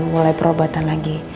lagi mulai perobatan lagi